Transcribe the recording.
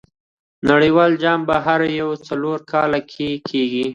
نړۍوال جام په هرو څلور کاله کښي کیږي.